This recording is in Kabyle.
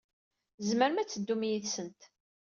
Tzemremt ad teddumt yid-sent.